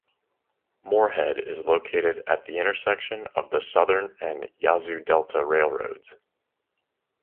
Moorhead is located at the intersection of the Southern and Yazoo Delta railroads.